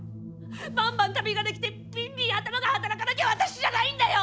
バンバン旅ができてビンビン頭が働かなきゃ私じゃないんだよ！